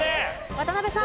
渡辺さん。